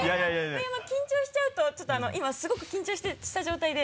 上山緊張しちゃうとちょっと今すごく緊張した状態で。